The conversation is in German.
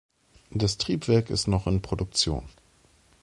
Das Triebwerk ist noch in Produktion.